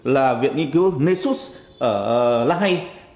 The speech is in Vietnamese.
là viện nghiên cứu nesus ở la hague